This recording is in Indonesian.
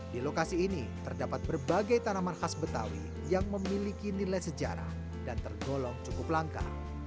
di lokasi ini terdapat berbagai tanaman khas betawi yang memiliki nilai sejarah dan tergolong cukup langka